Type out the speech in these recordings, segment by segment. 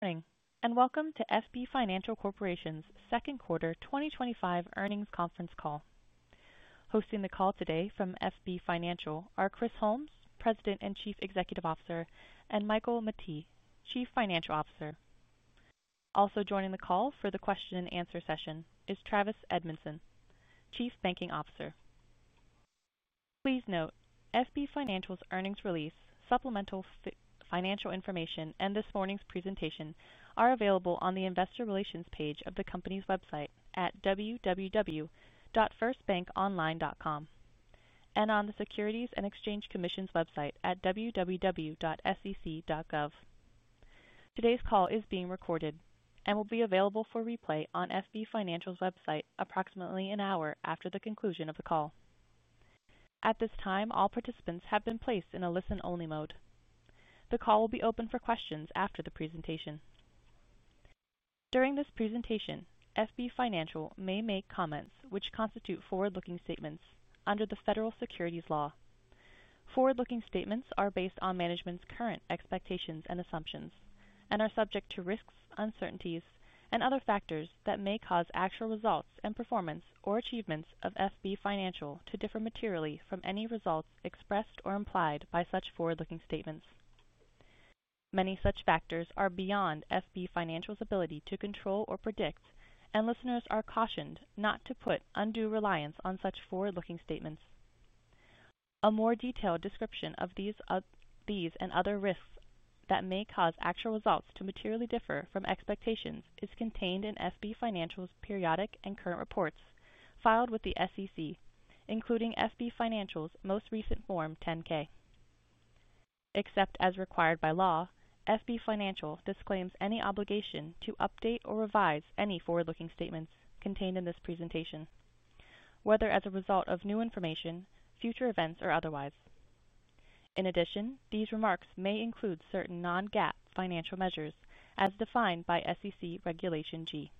Good morning and welcome to FB Financial Corporation's second quarter 2025 earnings conference call. Hosting the call today from FB Financial are Chris Holmes, President and Chief Executive Officer, and Michael Mettee, Chief Financial Officer. Also joining the call for the question and answer session is Travis Edmondson, Chief Banking Officer. Please note, FB Financial's earnings release, supplemental financial information, and this morning's presentation are available on the Investor Relations page of the company's website at www.firstbankonline.com and on the Securities and Exchange Commission's website at www.sec.gov. Today's call is being recorded and will be available for replay on FB Financial's website approximately an hour after the conclusion of the call. At this time, all participants have been placed in a listen-only mode. The call will be open for questions after the presentation. During this presentation, FB Financial may make comments which constitute forward-looking statements under the Federal Securities Law. Forward-looking statements are based on management's current expectations and assumptions and are subject to risks, uncertainties, and other factors that may cause actual results and performance or achievements of FB Financial to differ materially from any results expressed or implied by such forward-looking statements. Many such factors are beyond FB Financial's ability to control or predict, and listeners are cautioned not to put undue reliance on such forward-looking statements. A more detailed description of these and other risks that may cause actual results to materially differ from expectations is contained in FB Financial's periodic and current reports filed with the SEC, including FB Financial's most recent Form 10-K. Except as required by law, FB Financial disclaims any obligation to update or revise any forward-looking statements contained in this presentation, whether as a result of new information, future events, or otherwise. In addition, these remarks may include certain non-GAAP financial measures as defined by SEC Regulation G.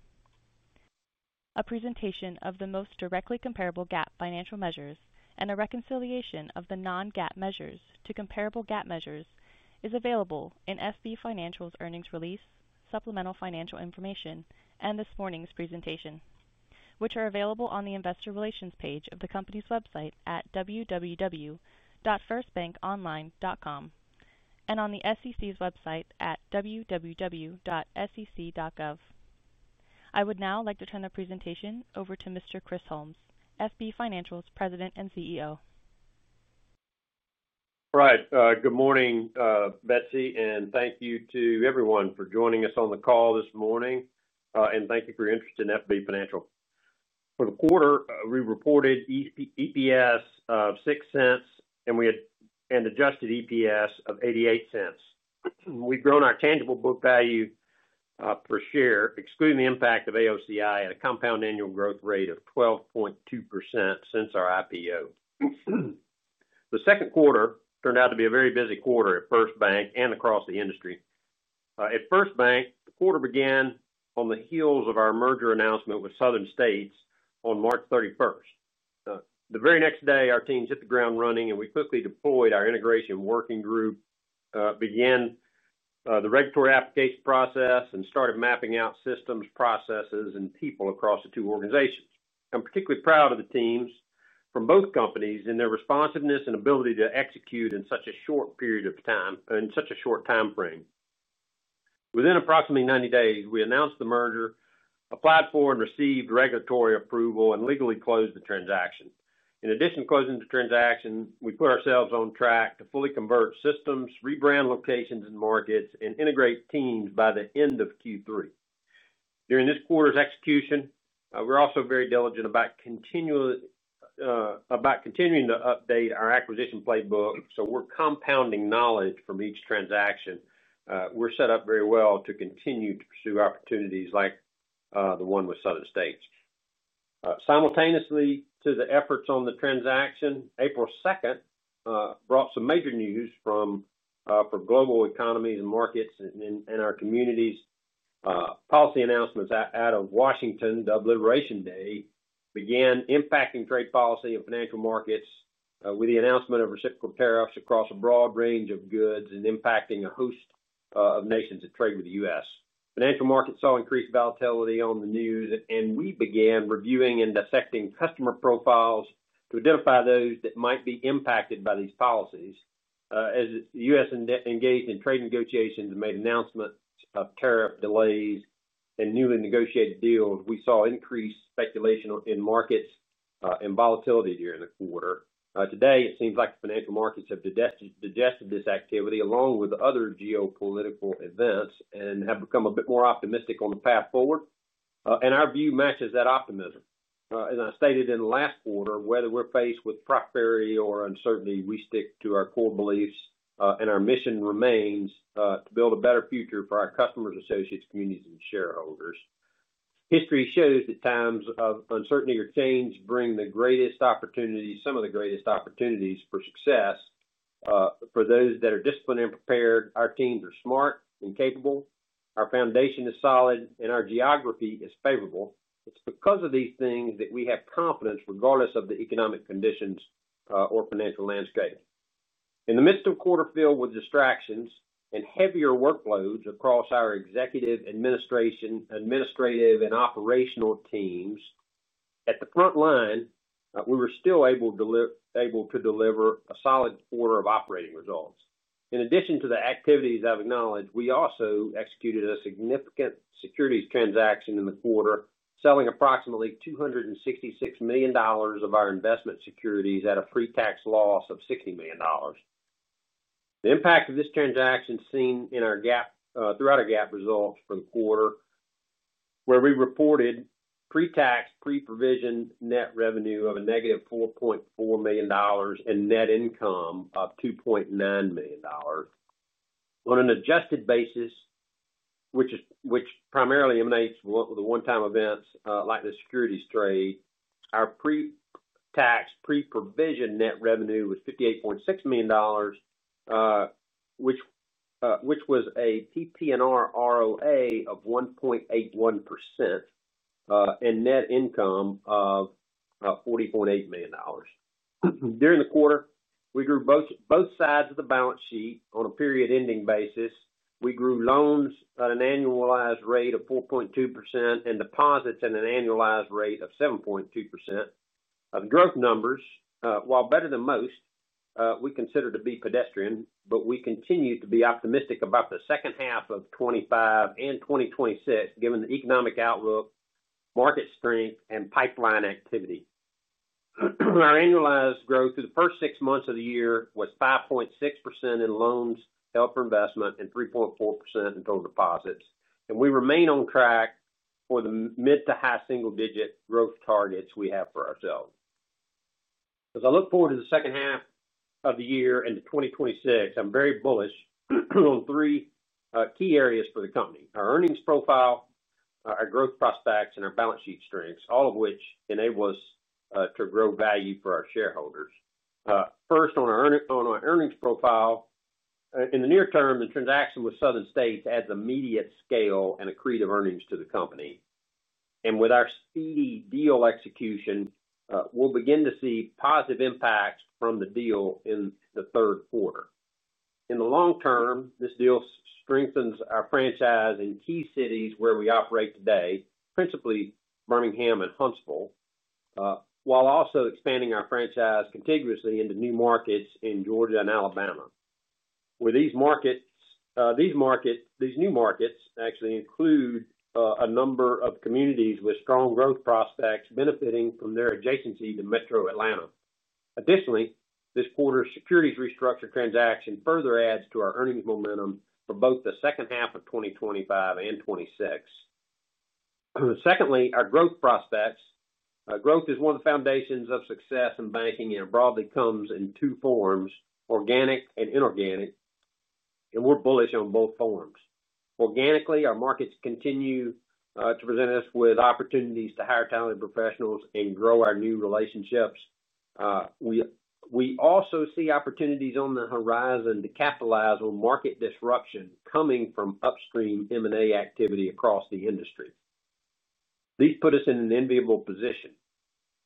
A presentation of the most directly comparable GAAP financial measures and a reconciliation of the non-GAAP measures to comparable GAAP measures is available in FB Financial's earnings release, supplemental financial information, and this morning's presentation, which are available on the Investor Relations page of the company's website at www.firstbankonline.com and on the SEC's website at www.sec.gov. I would now like to turn the presentation over to Mr. Chris Holmes, FB Financial's President and CEO. All right, good morning Betsy and thank you to everyone for joining us on the call this morning and thank you for your interest in FB Financial. For the quarter we reported EPS of $0.06 and we had an adjusted EPS of $0.88. We've grown our tangible book value per share, excluding the impact of AOCI, at a compound annual growth rate of 12.2% since our IPO. The second quarter turned out to be a very busy quarter at FirstBank and across the industry. At FirstBank, the quarter began on the heels of our merger announcement with Southern States on March 31. The very next day our teams hit the ground running and we quickly deployed our integration working group, began the regulatory application process, and started mapping out systems, processes, and people across the two organizations. I'm particularly proud of the teams from both companies in their responsiveness and ability to execute in such a short period of time in such a short time frame. Within approximately 90 days, we announced the merger, applied for and received regulatory approval, and legally closed the transaction. In addition to closing the transaction, we put ourselves on track to fully convert systems, rebrand locations and markets, and integrate teams by the end of Q3. During this quarter's execution, we're also very diligent about continuing to update our acquisition playbook. We're compounding knowledge from each transaction. We're set up very well to continue to pursue opportunities like the one with Southern States. Simultaneously to the efforts on the transaction, April 2 brought some major news for global economies and markets and our communities. Policy announcements out of Washington, Dub Liberation Day, began impacting trade policy and financial markets with the announcement of reciprocal tariffs across a broad range of goods and impacting a host of nations that trade with the U.S. Financial markets saw increased volatility on the news and we began reviewing and dissecting customer profiles to identify those that might be impacted by these policies. As the U.S. engaged in trade negotiations, made announcements of tariff delays and newly negotiated deals, we saw increased speculation in markets and volatility during the quarter. Today, it seems like the financial markets have digested this activity along with other geopolitical events, and have become a bit more optimistic on the path forward. Our view matches that optimism. As I stated in the last quarter, whether we're faced with prosperity or uncertainty, we stick to our core beliefs and our mission remains to build a better future for our customers, associates, communities, and shareholders. History shows that times of uncertainty or change bring some of the greatest opportunities for success for those that are disciplined and prepared. Our teams are smart and capable, our foundation is solid, and our geography is favorable. It's because of these things that we have confidence regardless of the economic conditions or financial landscape. In the midst of the quarter, filled with distractions and heavier workloads across our executive, administrative, and operational teams at the front line, we were still able to deliver a solid quarter of operating results. In addition to the activities I've acknowledged, we also executed a significant securities transaction in the quarter, selling approximately $266 million of our investment securities at a pre-tax loss of $60 million. The impact of this transaction is seen in our GAAP results for the quarter where we reported pre-tax, pre-provision net revenue of negative $4.4 million and net income of $2.9 million. On an adjusted basis, which primarily emanates from one-time events like the securities trade, our pre-tax, pre-provision net revenue was $58.6 million, which was a PTR ROA of 1.81%, and net income of $40.8 million. During the quarter, we grew both sides of the balance sheet on a period-ending basis. We grew loans at an annualized rate of 4.2% and deposits at an annualized rate of 7.2%. Growth numbers, while better than most, we consider to be pedestrian, but we continue to be optimistic about the second half of 2025 and 2026 given the economic outlook, market strength, and pipeline activity. Our annualized growth through the first six months of the year was 5.6% in loans held for investment and 3.4% in total deposits, and we remain on track for the mid to high single-digit growth targets we have for ourselves. As I look forward to the second half of the year and 2026, I'm very bullish on three key areas for the company: our earnings profile, our growth prospects, and our balance sheet strengths, all of which enable us to grow value for our shareholders. First, on our earnings profile. In the near term, the transaction with Southern States adds immediate scale and accretive earnings to the company, and with our speedy deal execution, we'll begin to see positive impacts from the deal in the third quarter. In the long term, this deal strengthens our franchise in key cities where we operate today, principally Birmingham and Huntsville, while also expanding our franchise contiguously into new markets in Georgia and Alabama. These new markets actually include a number of communities with strong growth prospects benefiting from their adjacency to metro Atlanta. Additionally, this quarter securities restructure transaction further adds to our earnings momentum for both the second half of 2025 and 2026. Secondly, our growth prospects. Growth is one of the foundations of success in banking and broadly comes in two forms, organic and inorganic, and we're bullish on both forms. Organically, our markets continue to present us with opportunities to hire talented professionals and grow our new relationships. We also see opportunities on the horizon to capitalize on market disruption coming from upstream M&A activity across the industry. These put us in an enviable position.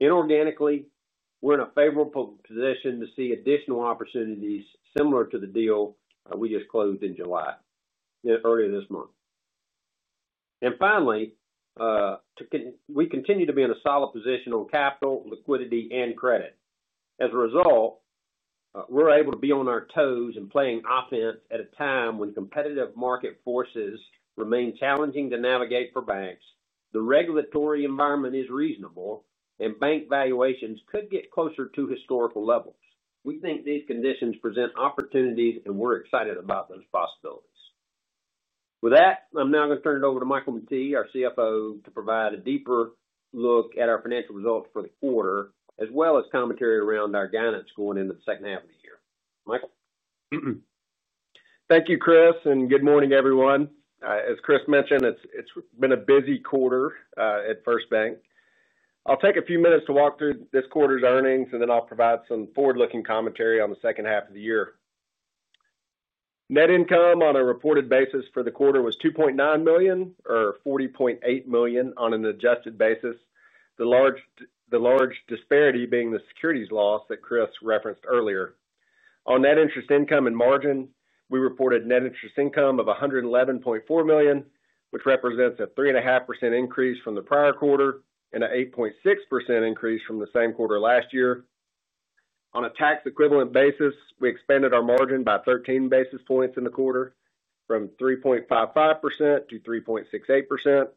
Inorganically, we're in a favorable position to see additional opportunities similar to the deal we just closed in July earlier this month. Finally, we continue to be in a solid position on capital, liquidity, and credit. As a result, we're able to be on our toes and playing offense at a time when competitive market forces remain challenging to navigate. For banks, the regulatory environment is reasonable and bank valuations could get closer to historical levels. We think these conditions present opportunities and we're excited about those possibilities. With that, I'm now going to turn it over to Michael Mettee, our CFO, to provide a deeper look at our financial results for the quarter as well as commentary around our guidance going into the second half of the year. Michael, thank you, Chris, and good morning, everyone. As Chris mentioned, it's been a busy quarter at FirstBank. I'll take a few minutes to walk through this quarter's earnings, and then I'll provide some forward-looking commentary on the second half of the year. Net income on a reported basis for the quarter was $2.9 million, or $40.8 million on an adjusted basis, the large disparity being the securities loss that Chris referenced earlier. On net interest income and margin, we reported net interest income of $111.4 million, which represents a 3.5% increase from the prior quarter and an 8.6% increase from the same quarter last year. On a tax-equivalent basis, we expanded our margin by 13 basis points in the quarter from 3.55%-3.68%.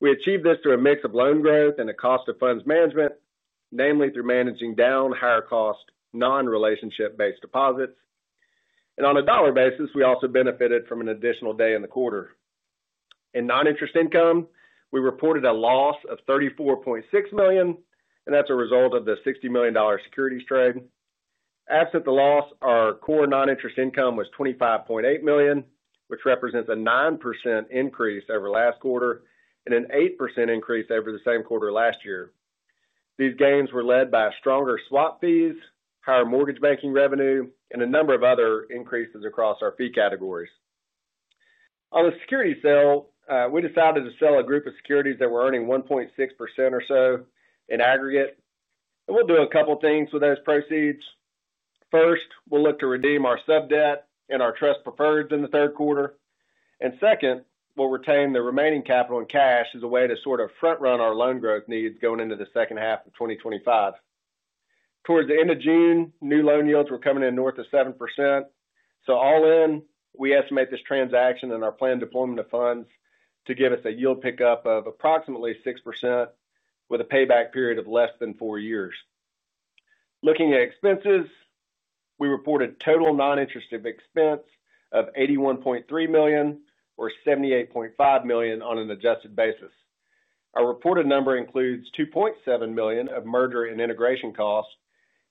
We achieved this through a mix of loan growth and cost of funds management, namely through managing down higher-cost, non-relationship-based deposits. On a dollar basis, we also benefited from an additional day in the quarter. In noninterest income, we reported a loss of $34.6 million, and that's a result of the $60 million securities trade. Absent the loss, our core noninterest income was $25.8 million, which represents a 9% increase over last quarter and an 8% increase over the same quarter last year. These gains were led by stronger swap fees, higher mortgage banking revenue, and a number of other increases across our fee categories. On the securities sale, we decided to sell a group of securities that were earning 1.6% or so in aggregate, and we'll do a couple of things with those proceeds. First, we'll look to redeem our sub debt and our trust preferreds in the third quarter, and second, we'll retain the remaining capital in cash as a way to sort of front-run our loan growth needs going into the second half of 2025. Towards the end of June, new loan yields were coming in north of 7%. All in, we estimate this transaction and our planned deployment of funds to give us a yield pickup of approximately 6% with a payback period of less than 4 years. Looking at expenses, we reported total noninterest expense of $81.3 million, or $78.5 million on an adjusted basis. Our reported number includes $2.7 million of merger and integration costs,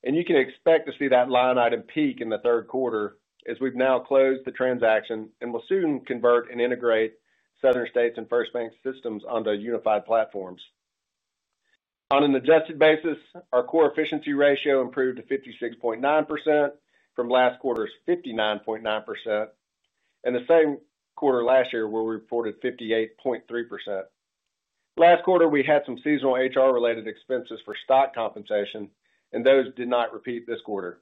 and you can expect to see that line item peak in the third quarter as we've now closed the transaction and will soon convert and integrate Southern States and FirstBank systems onto unified platforms. On an adjusted basis, our core efficiency ratio improved to 56.9% from last quarter's 59.9% and the same quarter last year where we reported 58.3%. Last quarter we had some seasonal HR-related expenses for stock compensation and those did not repeat this quarter.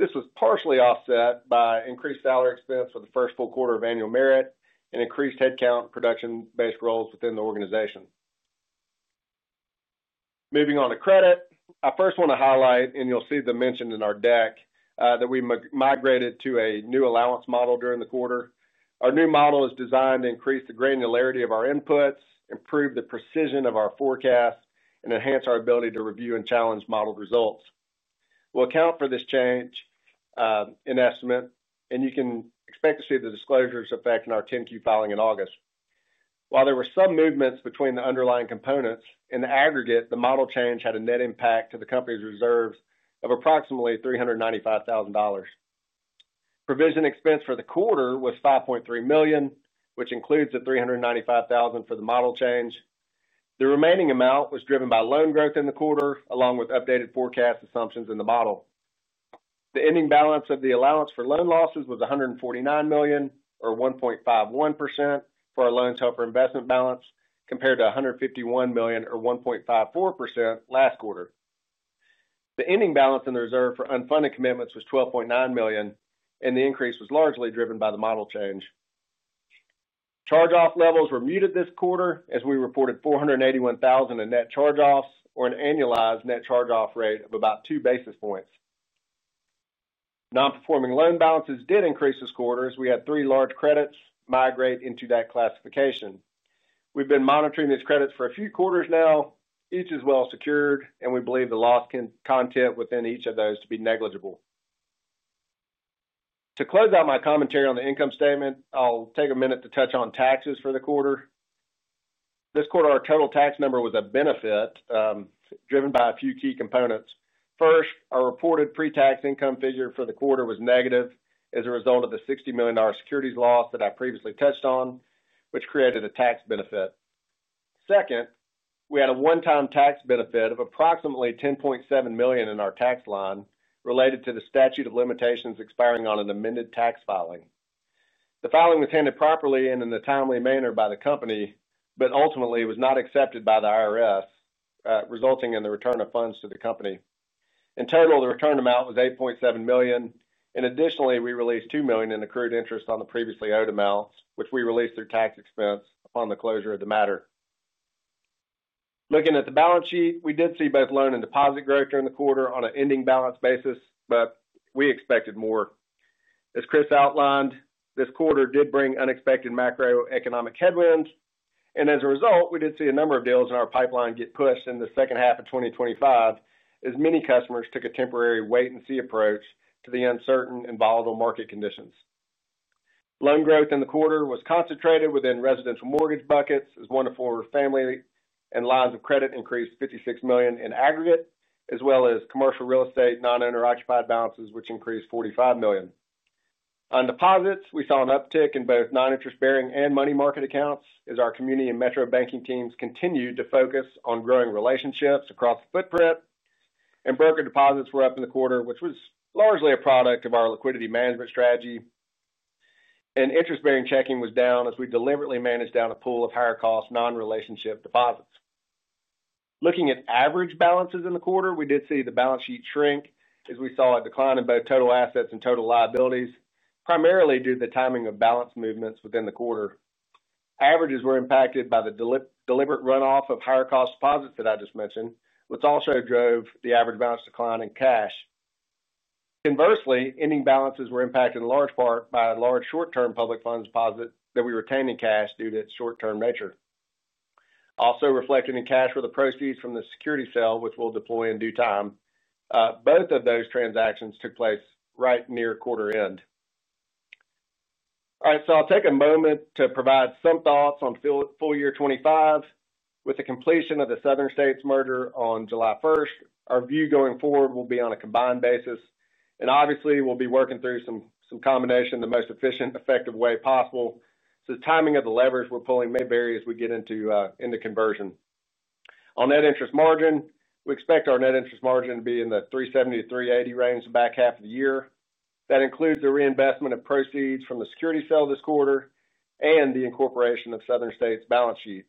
This was partially offset by increased salary expense for the first full quarter of annual merit and increased headcount in production-based roles within the organization. Moving on to credit, I first want to highlight, and you'll see this mentioned in our deck, that we migrated to a new allowance model during the quarter. Our new model is designed to increase the granularity of our inputs, improve the precision of our forecast, and enhance our ability to review and challenge modeled results. We'll account for this change in estimate, and you can expect to see the disclosure's effect in our 10-Q filing in August. While there were some movements between the underlying components, in the aggregate, the model change had a net impact to the Company's reserves of approximately $395,000. Provision expense for the quarter was $5.3 million, which includes the $395,000 for the model change. The remaining amount was driven by loan growth in the quarter along with updated forecast assumptions in the model. The ending balance of the allowance for loan losses was $149 million, or 1.51% of our loans held for investment balance, compared to $151 million, or 1.54%, last quarter. The ending balance in the reserve for unfunded commitments was $12.9 million, and the increase was largely driven by the model change. Charge-off levels were muted this quarter as we reported $481,000 in net charge-offs, or an annualized net charge-off rate of about 2 basis points. Non-performing loan balances did increase this quarter as we had three large credits migrate into that classification. We've been monitoring these credits for a few quarters now. Each is well secured, and we believe the loss content within each of those to be negligible. To close out my commentary on the income statement, I'll take a minute to touch on taxes for the quarter. Our total tax number was a benefit driven by a few key components. First, our reported pre-tax income figure for the quarter was negative as a result of the $60 million securities loss that I previously touched on, which created a tax benefit. Second, we had a one-time tax benefit of approximately $10.7 million in our tax line related to the statute of limitations expiring on an amended tax filing. The filing was handled properly and in a timely manner by the company but ultimately was not accepted by the IRS, resulting in the return of funds to the company. In total, the return amount was $8.7 million and additionally we released $2 million in accrued interest on the previously owed amounts, which we released through tax expense upon the closure of the matter. Looking at the balance sheet, we did see both loan and deposit growth during the quarter on an ending balance basis, but we expected more. As Chris Holmes outlined, this quarter did bring unexpected macroeconomic headwinds, and as a result, we did see a number of deals in our pipeline get pushed into the second half of 2025 as many customers took a temporary wait-and-see approach to the uncertain and volatile market conditions. Loan growth in the quarter was concentrated within residential mortgage buckets, as one-to-four family and lines of credit increased $56 million in aggregate, as well as commercial real estate non-owner occupied balances, which increased $45 million. On deposits, we saw an uptick in both non-interest bearing and money market accounts as our community and metro banking teams continued to focus on growing relationships across the footprint, and broker deposits were up in the quarter, which was largely a product of our liquidity management strategy. Interest-bearing checking was down as we deliberately managed down a pool of higher-cost non-relationship deposits. Looking at average balances in the quarter, we did see the balance sheet shrink as we saw a decline in both total assets and total liabilities, primarily due to the timing of balance movements within the quarter. Averages were impacted by the deliberate runoff of higher-cost deposits that I just mentioned, which also drove the average balance decline in cash. Conversely, ending balances were impacted in large part by a large short-term public funds deposit that we retained in cash due to its short-term nature. Also reflected in cash were the proceeds from the securities sale, which we'll deploy in due time. Both of those transactions took place right near quarter end. I'll take a moment to provide some thoughts on full year 2025. With the completion of the Southern States merger on July 1, our view going forward will be on a combined basis, and obviously we'll be working through some combination in the most efficient, effective way possible. The timing of the levers we're pulling may vary as we get into conversion. On net interest margin, we expect our net interest margin to be in the 3.70%-3.80% range the back half of the year. That includes the reinvestment of proceeds from the securities sale this quarter and the incorporation of Southern States balance sheet.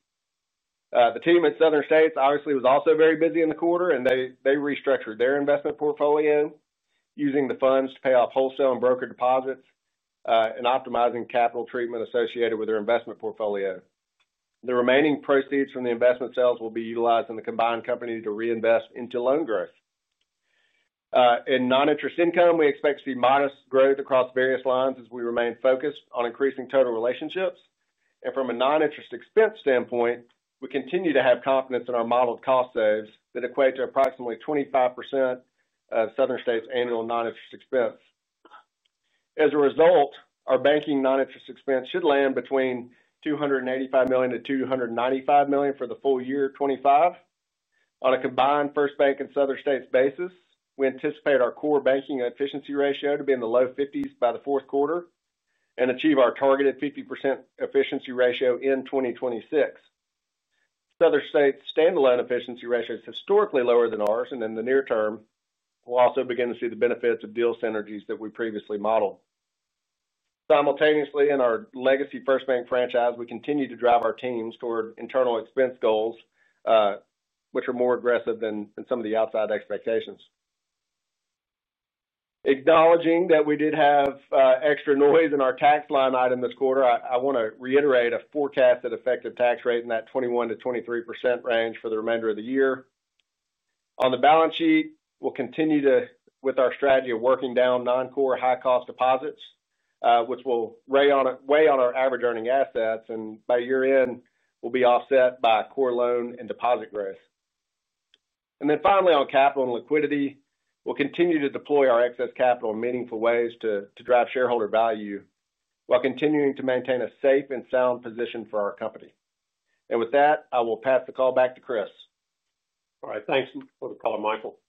The team at Southern States obviously was also very busy in the quarter and they restructured their investment portfolio using the funds to pay off wholesale and brokered deposits and optimizing capital treatment associated with their investment portfolio. The remaining proceeds from the investment sales will be utilized in the combined company to reinvest into loan growth and noninterest income. We expect to see modest growth across various lines as we remain focused on increasing total relationships. From a noninterest expense standpoint, we continue to have confidence in our modeled cost saves that equate to approximately 25% of Southern States annual noninterest expense. As a result, our banking noninterest expense should land between $285 million-$295 million for the full year 2025. On a combined FirstBank and Southern States basis, we anticipate our core banking efficiency ratio to be in the low 50s by the fourth quarter and achieve our targeted 50% efficiency ratio in 2026. Southern States standalone efficiency ratio is historically lower than ours and in the near term we will also begin to see the benefits of deal synergies that we previously modeled simultaneously in our legacy FirstBank franchise. We continue to drive our teams toward internal expense goals which are more aggressive than some of the outside expectations. Acknowledging that we did have extra noise in our tax line item this quarter, I want to reiterate a forecasted effective tax rate in that 21%-23% range for the remainder of the year. On the balance sheet we will continue with our strategy of working down noncore high-cost deposits which will weigh on our average earning assets and by year end will be offset by core loan and deposit growth. Finally, on capital and liquidity, we will continue to deploy our excess capital in meaningful ways to drive shareholder value while continuing to maintain a safe and sound position for our company. With that, I will pass the call back to Chris. All right. Thanks for the color, Michael.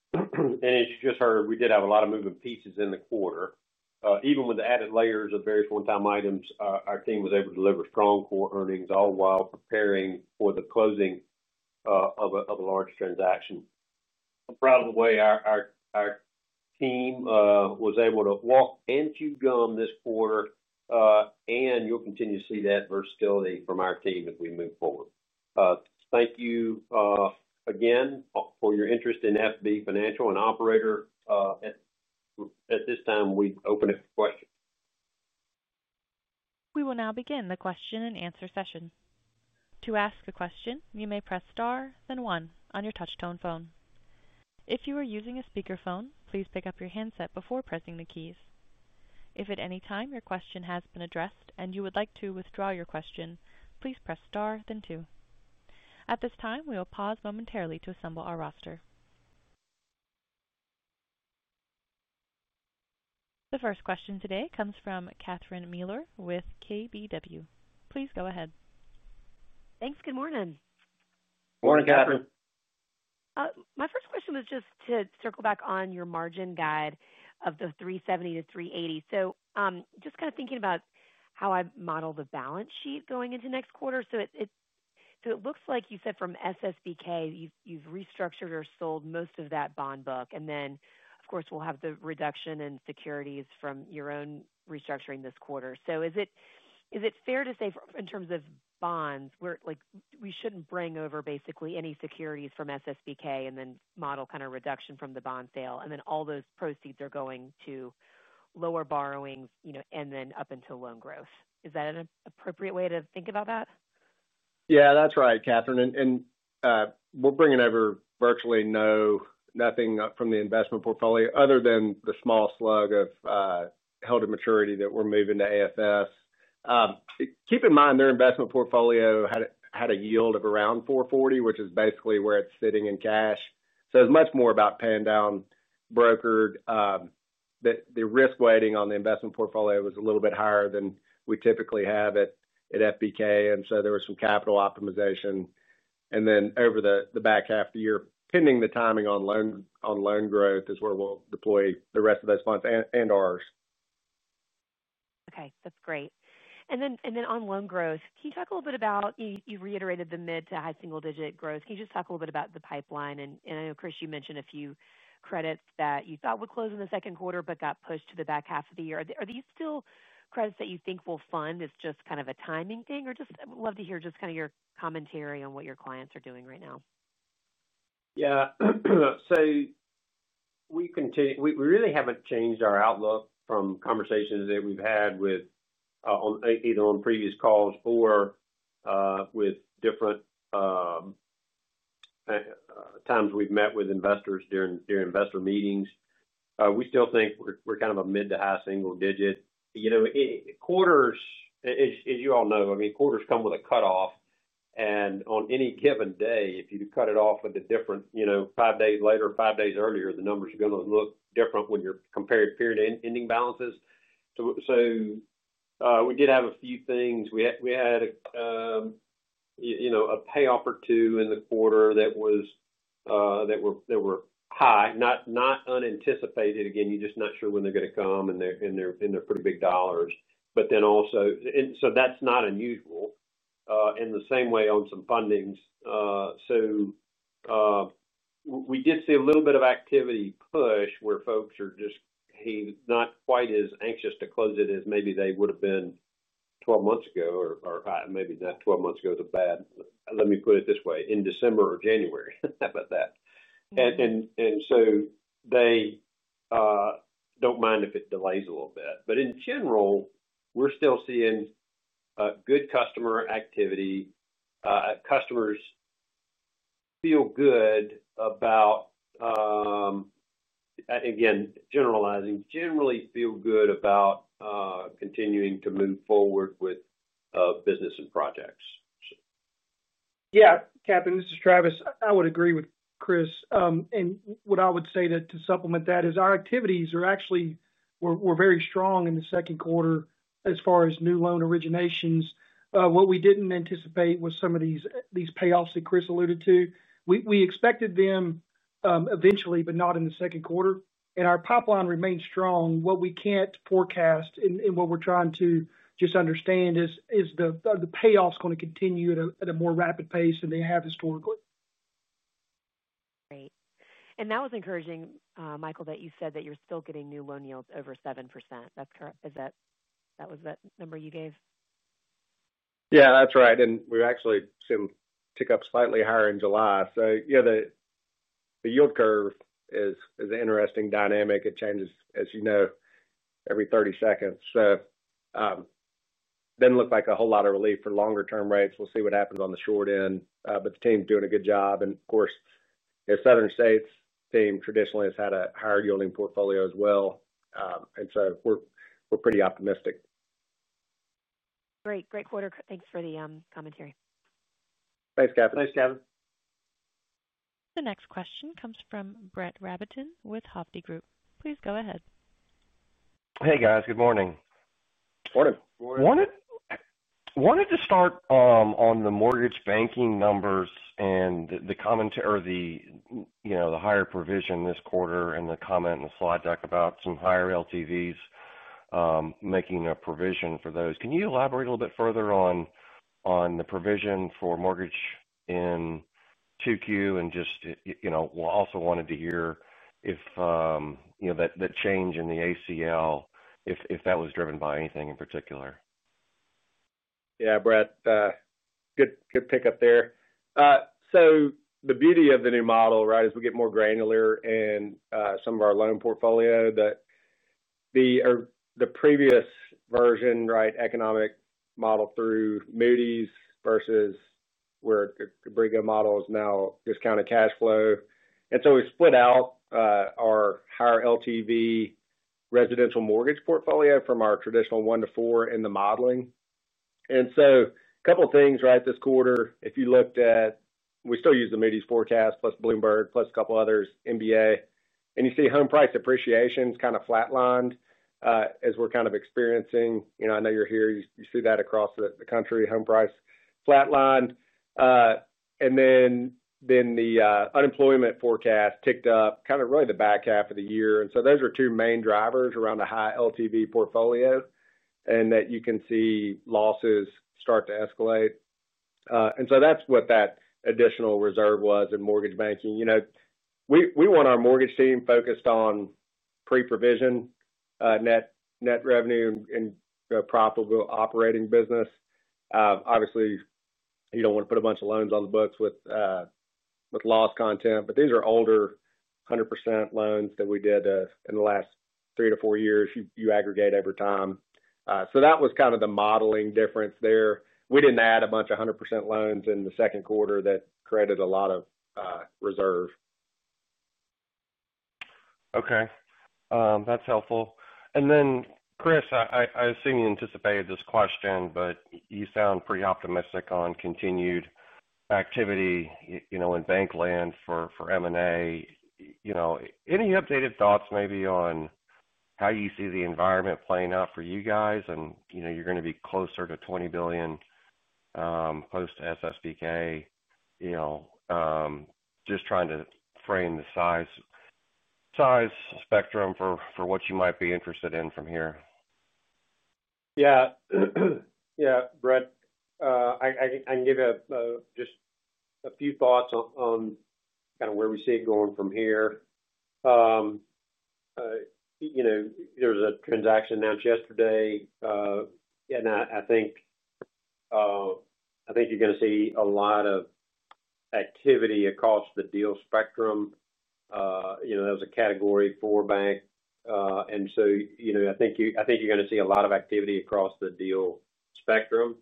As you just heard, we did have a lot of moving pieces in the quarter. Even with the added layers of various one-time items, our team was able to deliver strong core earnings, all while preparing for the closing of a large transaction. I'm proud of the way our team was able to walk and chew gum this quarter. You'll continue to see that versatility from our team as we move forward. Thank you again for your interest in FB Financial. Operator, at this time, we open it for questions. We will now begin the question and answer session. To ask a question, you may press Star then one on your touchtone phone. If you are using a speakerphone, please pick up your handset before pressing the keys. If at any time your question has been addressed and you would like to withdraw your question, please press Star then two. At this time, we will pause momentarily to assemble our roster. The first question today comes from Catherine Mealor with KBW. Please go ahead. Thanks. Good morning. Morning, Catherine. My first question was just to circle back on your margin guide of the 3.70%-3.80%. Just kind of thinking about how I model the balance sheet going into next quarter, it looks like you said from SSBK you've restructured or sold most of that bond book. Of course, we'll have the reduction in securities from your own restructuring this quarter. Is it fair to say in terms of bonds, we shouldn't bring over basically any securities from SSBK and then model kind of reduction from the bond sale, and then all those proceeds are going to lower borrowings and then up until loan growth? Is that an appropriate way to think about that? Yeah, that's right, Catherine. We're bringing over virtually nothing from the investment portfolio other than the small slug of held to maturity that we're moving to AFS. Keep in mind, their investment portfolio had a yield of around 4.40%, which is basically where it's sitting in cash. It's much more about paying down brokered. The risk weighting on the investment portfolio was a little bit higher than we typically have at FB Financial. There was some capital optimization. Over the back half of the year, pending the timing on loan growth, is where we'll deploy the rest of those funds and ours. Okay, that's great. On loan growth, can you. Talk a little bit about. You've reiterated the mid to high single digit growth. Can you just talk a little bit about the pipeline? I know Chris, you mentioned a few credits that you thought would close in the second quarter but got pushed to the back half of the year. Are these still credits that you think will fund? It's just kind of a timing thing. I'd just love to hear your commentary on what your clients are doing right now. Yeah, we continue. We really haven't changed our outlook from conversations that we've had with either on previous calls or at different times. We've met with investors during investor meetings. We still think we're kind of a mid to high single digit, you know, quarters, as you all know. I mean, quarters come with a cutoff and on any given day, if you cut it off with a different, you know, five days later, five days earlier, the numbers are going to look different when you're comparing period ending balances. We did have a few things. We had, you know, a payoff or two in the quarter that were high, not unanticipated. Again, you're just not sure when they're going to come and they're pretty big dollars. That's not unusual in the same way on some fundings. We did see a little bit of activity push where folks are just not quite as anxious to close it as maybe they would have been 12 months ago or maybe not 12 months ago. The bad, let me put it this way, in December or January. How about that? They don't mind if it delays a little bit. In general, we're still seeing good customer activity. Customers feel good about, again, generalizing, generally feel good about continuing to move forward with business and projects. Yeah, Catherine, this is Travis. I would agree with Chris, and what I would say to supplement that is our activities actually were very strong in the second quarter as far as new loan originations. What we didn't anticipate was some of these payoffs that Chris alluded to. We expected them eventually, but not in the second quarter, and our pipeline remains strong. What we can't forecast and what we're trying to just understand is the payoffs going to continue at a more rapid pace than they have historically. Great. That was encouraging, Michael, that you said that you're still getting new loan yields over 7%. That's correct. Is that. That was that number you gave? Yeah, that's right. We actually tick up slightly higher in July. The yield curve is an interesting dynamic. It changes, as you know, every 30 seconds. It doesn't look like a whole lot of relief for longer term rates. We'll see what happens on the short end. The team is doing a good job, and of course Southern States theme traditionally has had a higher yielding portfolio as well, so we're pretty optimistic. Great, great quarter. Thanks for the commentary. Thanks, Catherine. Thanks, Catherine. The next question comes from Brett Rabatin with Hovde Group. Please go ahead. Hey guys, good morning. Morning. Wanted to start on the mortgage banking. Numbers and the commentary or the higher provision this quarter and the comment in the slide deck about some higher LTVs making a provision for those. Can you elaborate a little bit further? On the provision for mortgage in 2Q and just, you know, also wanted to hear if you know that change in the ACL, if that was driven by anything in particular. Yeah, Brett, good pickup there. The beauty of the new model, right, is we get more granular in some of our loan portfolio than the previous version. Economic model through Moody's versus where the Abrigo model is now discounted cash flow. We split out our higher LTV residential mortgage portfolio from our traditional 1-4 in the modeling. A couple things this quarter, if you looked at it, we still use the Moody's forecast plus Bloomberg plus a couple others, MBA, and you see home price appreciation is kind of flatlined as we're kind of experiencing. I know you're here, you see that across the country, home price flatlined, and then the unemployment forecast ticked up really the back half of the year. Those are two main drivers around a high LTV portfolio and that you can see losses start to escalate. That's what that additional reserve was in mortgage banking. We want our mortgage team focused on pre-provision net net revenue and profitable operating business. Obviously you don't want to put a bunch of loans on the books with loss content, but these are older 100% loans that we did in the last three to four years. You aggregate over time. That was kind of the modeling difference there. We didn't add a bunch of 100%. Loans in the second quarter that created. A lot of reserve. Okay, that's helpful. Chris, I assume you anticipated this question, but you sound pretty optimistic on continued activity in bank land for M&A. Any updated thoughts maybe on how you see the environment playing out for you guys? You're going to be closer to $20 billion close to SSBK. Just trying to frame the size spectrum for what you might be interested in from here. Yeah, yeah. Brett, I can give you just a few thoughts on kind of where we see it going from here. There's a transaction announced yesterday. I think you're going to see a lot of activity across the deal spectrum. That was a category four bank. I think you're going to see a lot of activity across the deal spectrum.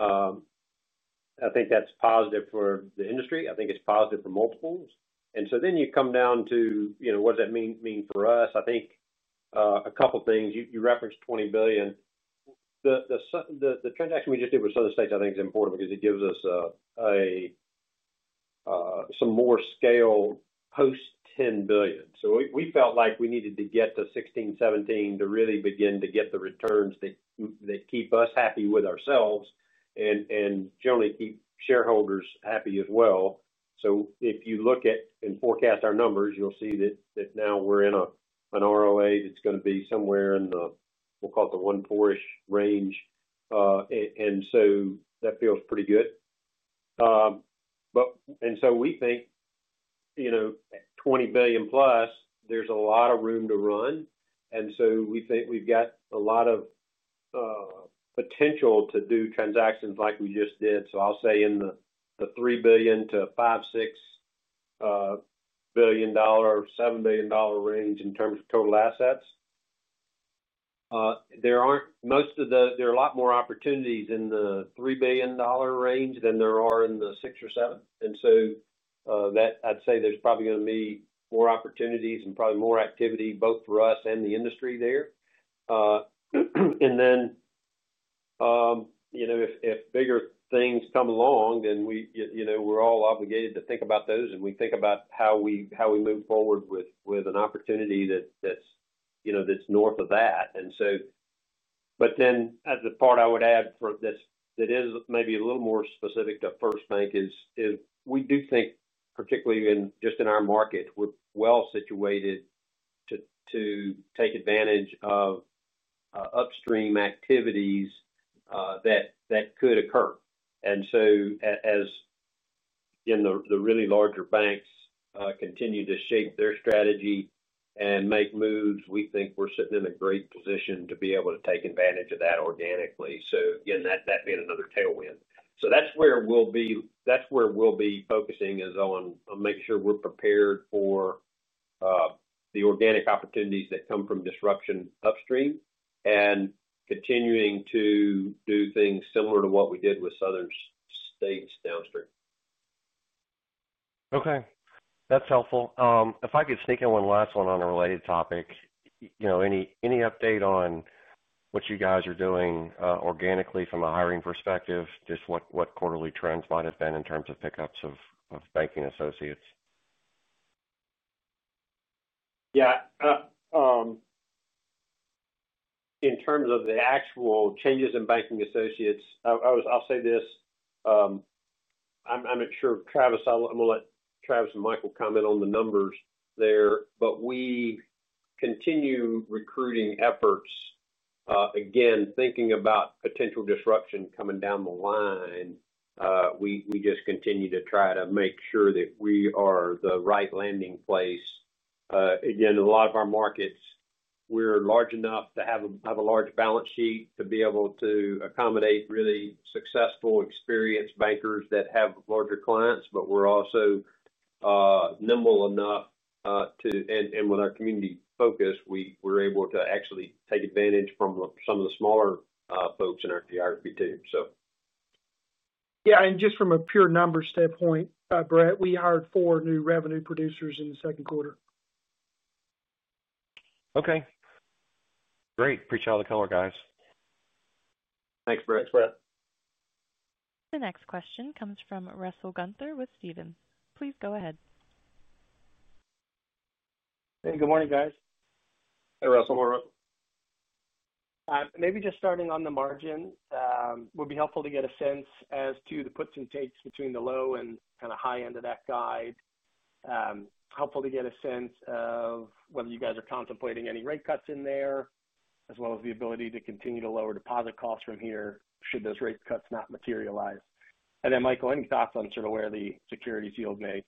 I think that's positive for the industry. I think it's positive for multiples. Then you come down to what does that mean for us? I think a couple things. You referenced $20 billion. The transaction we just did with Southern States I think is important because it gives us some more scale post $10 billion. We felt like we needed to get to $16 billion, $17 billion to really begin to get the returns that keep us happy with ourselves and generally keep shareholders happy as well. If you look at and forecast our numbers, you'll see that now we're in an ROA that's going to be somewhere in the, we'll call it the 1.4% range. That feels pretty good. We think $20 billion+, there's a lot of room to run. We think we've got a lot of potential to do transactions like we just did. I'll say in the $3 billion-$5 billion, $6 billion, $7 billion dollar. Billion dollar range, in terms of total. Assets, there are a lot more opportunities in the $3 billion range than there are in the $6 or $7 billion range. I'd say there's probably going to be more opportunities and probably more activity both for us and the industry there. If bigger things come along, we're all obligated to think about those and we think about how we move forward with an opportunity that's north of that. The part I would add for this that is maybe a little more specific to FirstBank is we do think, particularly in our market, we're well situated to take advantage of upstream activities that could occur. As the really larger banks continue to shape their strategy and make moves, we think we're sitting in a great position to be able to take advantage of that organically. That being another tailwind, that's where we'll be focusing, on making sure we're prepared for the organic opportunities that come from disruption upstream and continuing to do things similar to what we did with Southern States downstream. Okay, that's helpful. If I could sneak in one last one. On a related topic, any update on what you guys are doing organically from a hiring perspective? Just what quarterly trends might have been in terms of pickups of banking associates. In terms of the actual changes in banking associates, I'll say this, I'm not sure, Travis. I'm going to let Travis and Michael comment on the numbers there. We continue recruiting efforts. Again, thinking about potential disruption coming down the line, we just continue to try to make sure that we are the right landing place. In a lot of our markets, we're large enough to have a large balance sheet to be able to accommodate really successful, experienced bankers that have larger clients. We're also nimble enough, and with our community focus, we are able to actually take advantage from some of the smaller folks in our geography too. Yeah, and just from a pure number standpoint, Brett, we hired four new revenue producers in the second quarter. Okay, great. Appreciate all the color, guys. Thanks, Brett. Brett, the next question comes from Russell Gunther with Stephens. Please go ahead. Hey, good morning guys. Hey, Russell, maybe just starting on the margin would be helpful to get a. Sense as to the puts and takes. Between the low and kind of high. End of that guide. Helpful to get a sense of whether. You guys are contemplating any rate cuts. In there as well as the ability. To continue to lower deposit costs. Here should those rate cuts not materialize. Michael, any thoughts on sort. Of where the securities sale may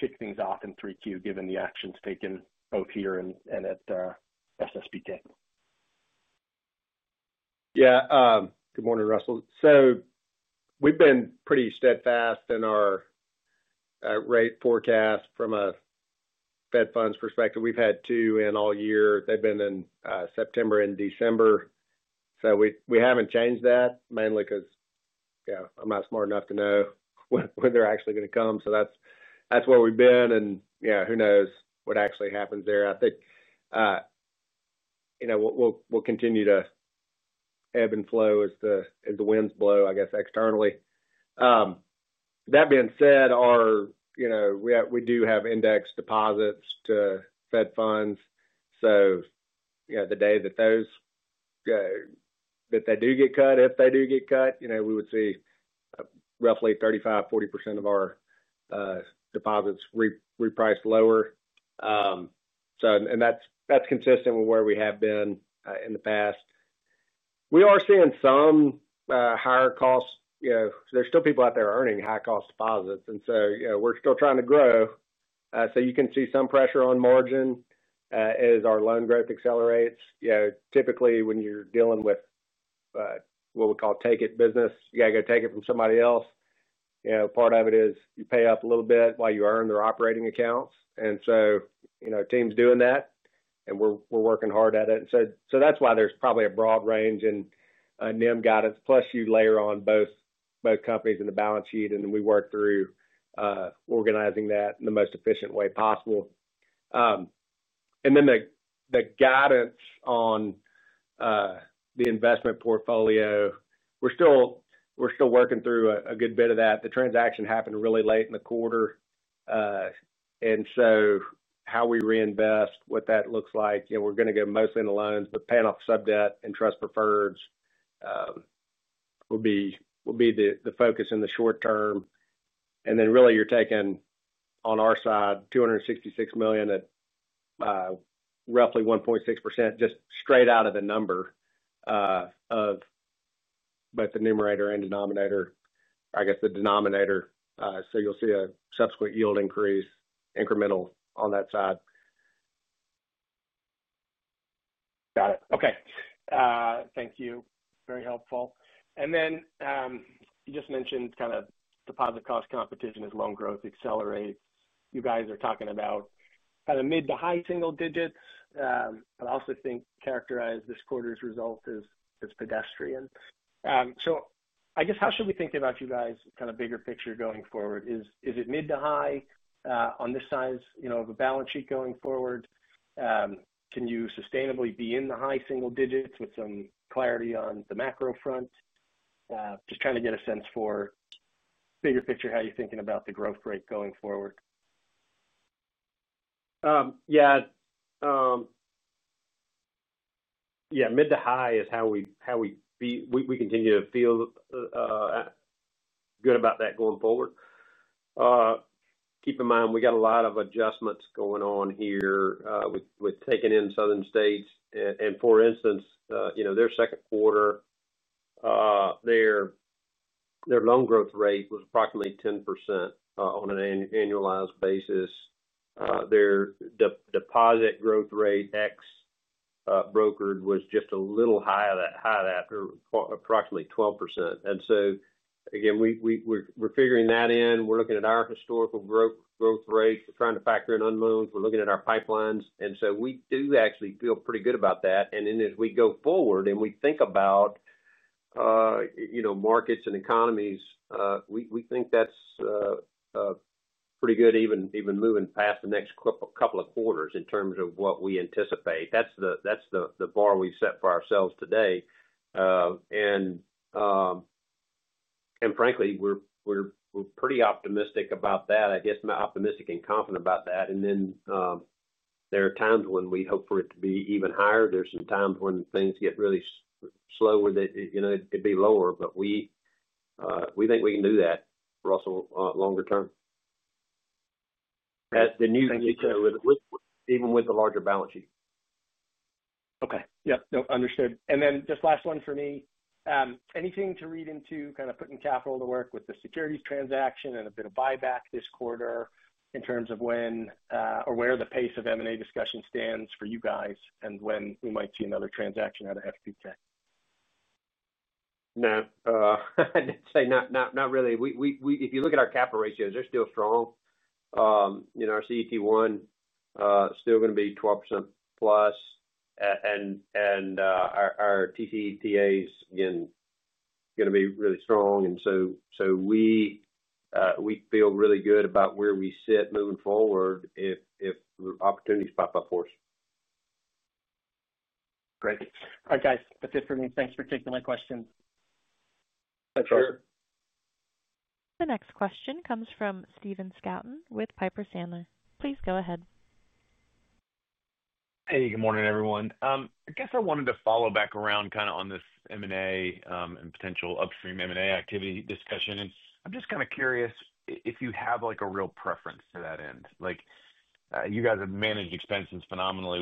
kick things off in 3Q given the actions taken both here and at SSBK? Yeah, good morning, Russell. We've been pretty steadfast in our rate forecast from a fed funds perspective. We've had two in all year. They've been in September and December. We haven't changed that mainly because I'm not smart enough to know when they're actually going to come. That's where we've been and who knows what actually happens there? I think we'll continue to ebb and flow as the winds blow, I guess externally. That being said, we do have index deposits to fed funds. The day that those, that. If they do get cut, you know, we would see roughly 35%-40% of our deposits repriced lower. That's consistent with where we have been in the past. We are seeing some higher cost. You know there's still people out there earning high cost deposits, and so you know, we're still trying to grow. You can see some pressure on margin as our loan growth accelerates. Typically, when you're dealing with what we call take it business, you gotta go take it from somebody else. Part of it is you pay up a little bit while you earn their operating accounts, and so you know, team's doing that. We are working hard at it. That's why there's probably a broad range in NIM guidance. Plus you layer on both companies in the balance sheet, and then we work through organizing that in the most efficient way possible. The guidance on the investment portfolio, we're still working through a good bit of that. The transaction happened really late in the quarter, and how we reinvest, what that looks like, you know, we're going to go mostly into loans but paying off sub debt and trust preferred securities. Will. That will be the focus in the short term. You're taking on our side $266 million at roughly 1.6% just straight out of the number of both the numerator and denominator, I guess the denominator. You'll see a subsequent yield increase incremental on that side. Got it. Okay, thank you, very helpful. You just mentioned kind of deposit cost competition as loan growth accelerates. You guys are talking about kind of. Mid to high single digits. I also think characterize this quarter's result as pedestrian. I guess how should we think. About you guys, kind of bigger picture going forward? Is it mid to high on this size of a balance sheet going forward? Can you sustainably be in the high single digits with some clarity on the macro front? Just trying to get a sense for bigger picture how you're thinking about it. Growth rate going forward. Yeah. Yeah. Mid to high is how we continue to feel good about that going forward. Keep in mind we got a lot of adjustments going on here with taking in Southern States and for instance, you know, their second quarter, their loan growth rate was approximately 10% on an annualized basis. Their deposit growth rate ex brokered was just a little high at approximately 12%. Again, we're figuring that in, we're looking at our historical growth rate, we're trying to factor in unknowns, we're looking at our pipelines, and we do actually feel pretty good about that. As we go forward and we think about markets and economies, we think that's pretty good, even moving past the next couple of quarters in terms of what we anticipate. That's the bar we set for ourselves today. Frankly, we're pretty optimistic about that, I guess. Optimistic and confident about that. There are times when we hope for it to be even higher. There are some times when things get really slow where it'd be lower, but we think we can do that for also longer term, even with the larger balance sheet. Okay, yep, understood. Just last one for me, anything to read into kind of putting capital to work with the securities transaction and a bit of buyback this quarter in terms of when or where the pace of M&A discussion stands. For you guys and when we might. See another transaction out of FBK? No, I'd say not really. If you look at our capital ratios, they're still strong. Our CET1 is still going to be 12%+, and our TCETA is going to be really strong. We feel really good about where we sit moving forward if opportunities pop up for us. Great. All right, guys, that's it for me. Thanks for taking my questions. The next question comes from Stephen Scouten with Piper Sandler. Please go ahead. Hey, good morning, everyone. I wanted to follow back. Around kind of on this M&A and potential upstream M&A activity discussion. I'm just kind of curious if. You have a real preference to that end. You guys have managed expenses phenomenally.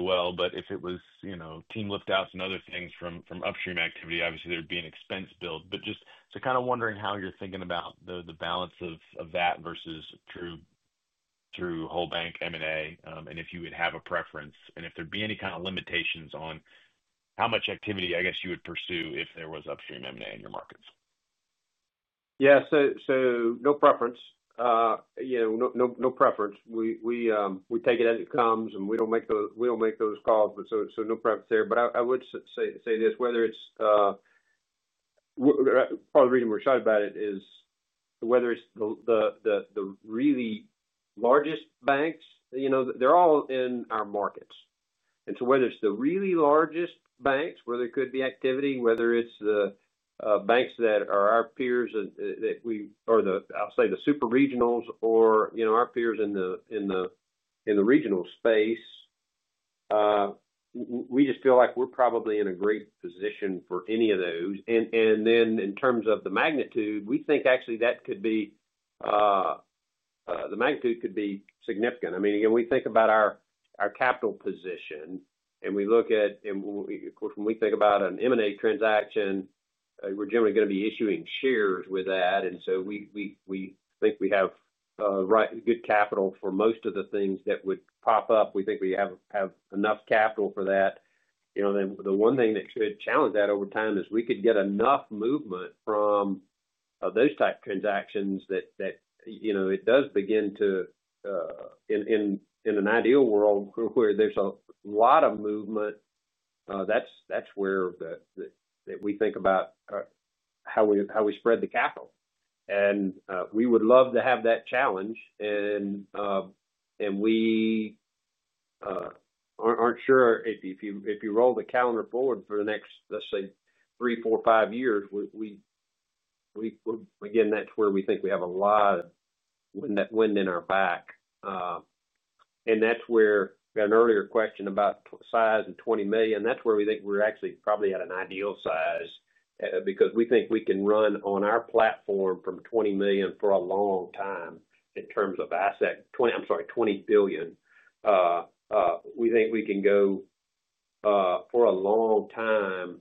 If it was, you know. Team lift outs and other things from upstream activity, obviously there'd be an expense build. Just kind of wondering how. You're thinking about the balance of that versus true through whole bank M&A and if you would have a preference and if there'd be any kind of limitations on how much activity I guess you would pursue if there was upstream M&A in your markets. No preference, you know, no preference. We take it as it comes. We don't make those calls. There is no preference there. I would say this. Whether it's. Part of the reason we're. Excited about it is whether it's the really largest banks. You know, they're all in our markets, so whether it's the really largest banks where there could be activity, whether it's the banks that are our peers, the super regionals, or our peers in the regional space, we just feel like we're probably in a great position for any of those. In terms of the magnitude, we think actually that could be significant. I mean, again, we think about our capital position and we look at, when we think about an M&A transaction, we're generally going to be issuing shares with that. We think we have good capital for most of the things that would pop up. We think we have enough capital for that. The one thing that could challenge that over time is we could get enough movement from those type transactions that, in an ideal world where there's a lot of movement, that's where we think about how we spread the capital and we would love to have that challenge. We aren't sure if you roll the calendar forward for the next, let's say, three, four, five years. That's where we think we have a lot of wind in our back and that's where an earlier question about size and $20 million, that's where we think we're actually probably at an ideal size because we think we can run on our platform from $20 million for a long time. In terms of asset $20—I'm sorry, $20 billion. We think we can go for a long time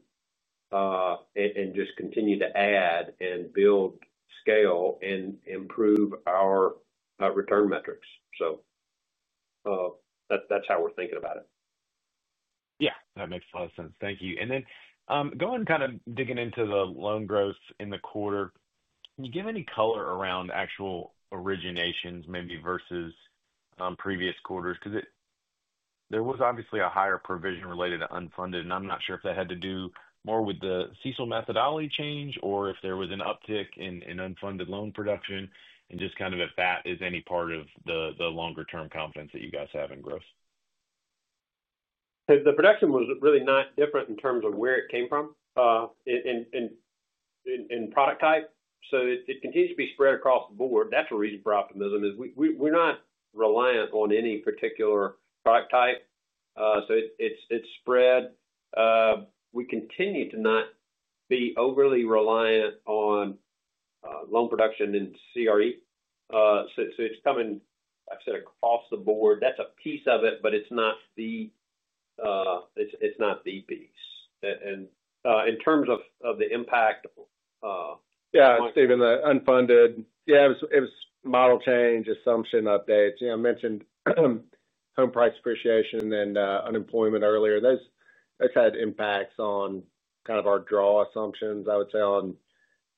and just continue to add and build scale and improve our return metrics. That's how we're thinking about it. Yeah, that makes a lot of sense. Thank you. Going kind of digging into the loan growth in the quarter, can you give any color around actual originations maybe versus previous quarters? Because there was obviously a higher provision. Related to unfunded, I'm not sure if that had to do more with the CECL methodology change or if there was an uptick in unfunded loan production and just kind of if that is any part of the longer term confidence that you guys have in growth. The production was really not different in terms of where it came from in product type. It continues to be spread across the board. That's a reason for optimism, as we're not reliant on any particular product type. It's spread. We continue to not be overly reliant on loan production and CRE. It's coming. I've said across the board that's a piece of it, but it's not the piece. In terms of the impact. Yeah, Stephen, the unfunded. It was model change assumption updates, you know, mentioned home price appreciation and unemployment earlier. Those had impacts on kind of our draw assumptions,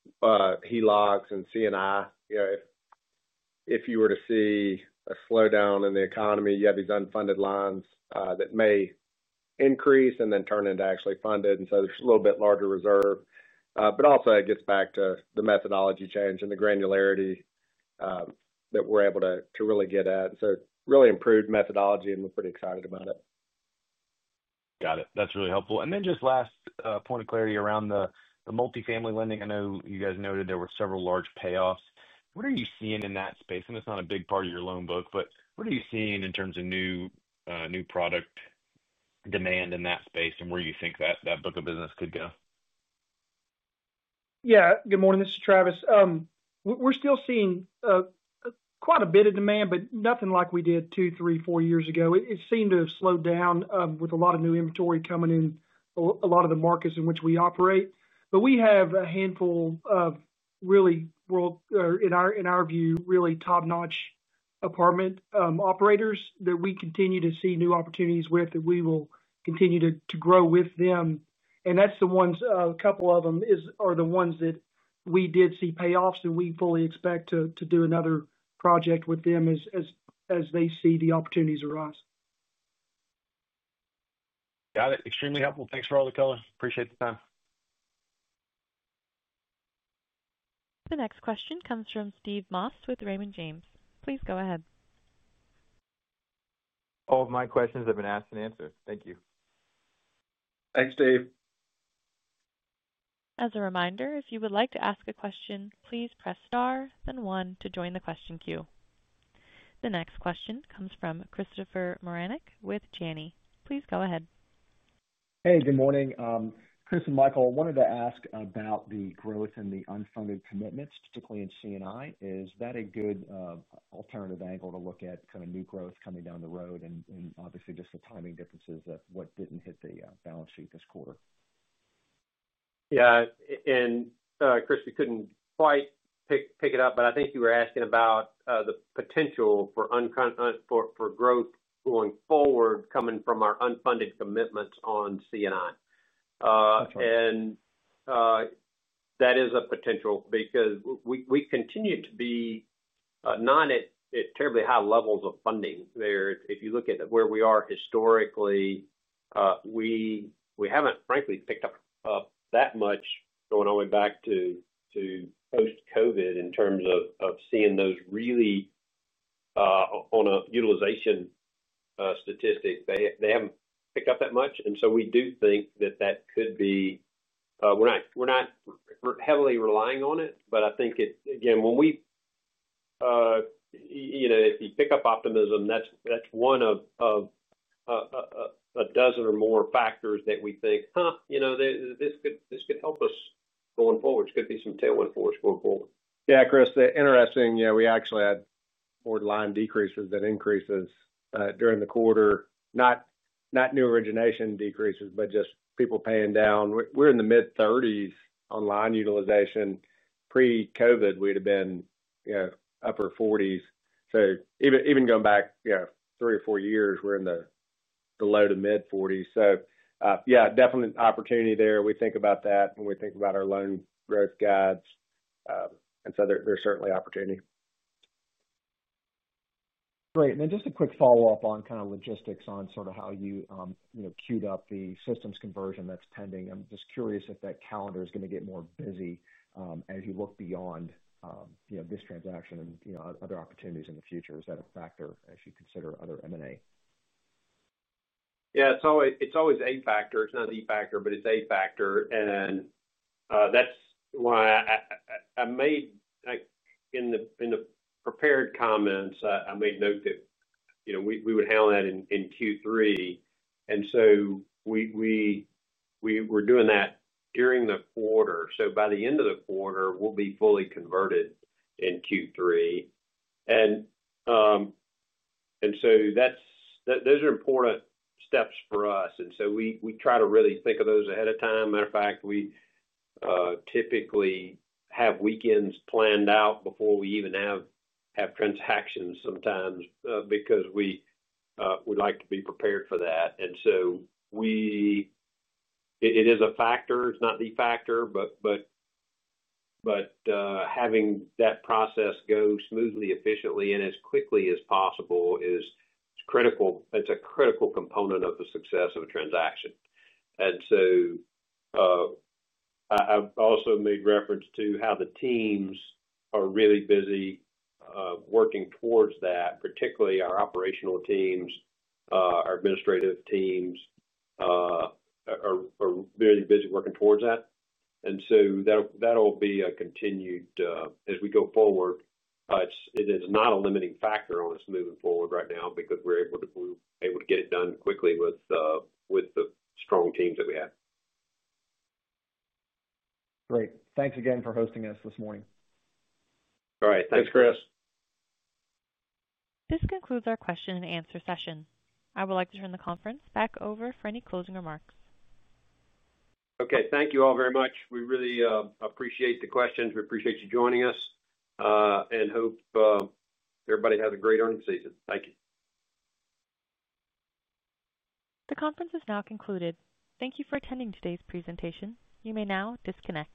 I would say on HELOC and C&I. If you were to see a slowdown in the economy, you have these unfunded lines that may increase and then turn into actually funded, and there's a little bit larger reserve. It gets back to the methodology change and the granularity that we're able to really get at. Really improved methodology and we're pretty excited about it. Got it. That's really helpful. Just last point of clarity around the multifamily lending, I know you guys noted there were several large payoffs. What are you seeing in that space? It's not a big part of your loan book, but what are you seeing in terms of new product demand in that space and where you think that book of business could go? Yeah, good morning, this is Travis. We're still seeing quite a bit of demand, but nothing like we did two, three, four years ago. It seemed to have slowed down with a lot of new inventory coming in a lot of the markets in which we operate. We have a handful of really, in our view, really top-notch apartment operators that we continue to see new opportunities with that we will continue to grow with them. Those are the ones. A couple of them are the ones that we did see payoffs, and we fully expect to do another project with them as they see the opportunities arise. Got it. Extremely helpful. Thanks for all the color. Appreciate the time. The next question comes from Steve Moss with Raymond James. Please go ahead. All of my questions have been asked and answered. Thank you. Thanks, Steve. As a reminder, if you would like to ask a question, please press star then one to join the question queue. The next question comes from Christopher Marinac with Janney. Please go ahead. Hey, good morning. Chris and Michael, wanted to ask about the growth in the unfunded commitments, particularly in C&I. Is that a good alternative angle to look at kind of new growth coming down the road and obviously just the. Timing differences of what didn't hit. Balance sheet this quarter. Yeah, and Chris, we couldn't quite pick it up, but I think you were asking about the potential for growth going forward coming from our unfunded commitments on C&I. That is a potential because we continue to be not at terribly high levels of funding there. If you look at where we are historically, we haven't frankly picked up that much going all the way back to post-COVID in terms of seeing those really on a utilization statistic, they haven't picked up that much. We do think that that could be. We're not heavily relying on it. I think, again, when we, you know, if you pick up optimism, that's one of the dozen or more factors that we think, huh, you know, this could help us going forward. Could be some tailwind for us going forward. Yeah, Chris, interesting. We actually had more line decreases than increases during the quarter, not new origination decreases, but just people paying down. We're in the mid-30% on line utilization. Pre-COVID, we'd have been upper 40%. Even going back three or four years, we're in the low to mid-40%. Definitely an opportunity there. We think about that when we think about our loan growth guides, and there's certainly opportunity. Great. Just a quick follow up. On logistics, on how you queued up the systems conversion that's pending, I'm just curious if that calendar is. Going to get more busy as you. Look beyond this transaction and other opportunities in the future. Is that a factor as you consider other M&A activity? Yeah, it's always a factor. It's not the factor, but it's a factor. That's why I made in the prepared comments, I made note that we would handle that in Q3. We were doing that during the quarter, so by the end of the quarter, we'll be fully converted in Q3. Those are important steps for us, and we try to really think of those ahead of time. Matter of fact, we typically have weekends planned out before we even have transactions sometimes because we'd like to be prepared for that. It is a factor. It's not the factor, but having that process go smoothly, efficiently, and as quickly as possible is critical. It's a critical component of the success of a transaction. I've also made reference to how the teams are really busy working towards that, particularly our operational teams, our administrative teams are very busy working towards that. That will be continued as we go forward. It is not a limiting factor on us moving forward right now because we're able to get it done quickly with the strong teams that we have. Great. Thanks again for hosting us this morning. All right, thanks, Chris. This concludes our question and answer session. I would like to turn the conference back over for any closing remarks. Okay, thank you all very much. We really appreciate the questions. We appreciate you joining us and hope everybody has a great earnings season. Thank you. The conference is now concluded. Thank you for attending today's presentation. You may now disconnect.